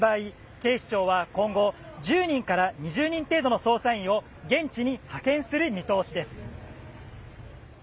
警視庁は今後１０人から２０人程度の捜査員を現地に派遣する見通しです。